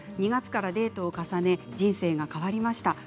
２月からデートを重ね人生が変わりました。